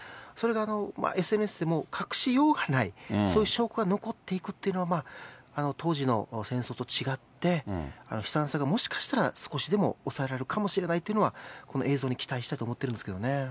それがＳＮＳでもう隠しようがない、そういう証拠が残っていくっていうのは、当時の戦争と違って、悲惨さが、もしかしたら少しでも抑えられるかもしれないというのは、この映像に期待したいと思ってるんですけどね。